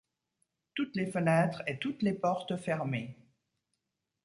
Toutes les fenêtres et toutes les portes fermées.